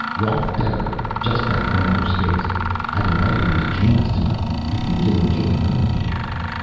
"Rolf Dekker, just back from outer space. I've invited him to join us tonight. I think you'll enjoy meeting him."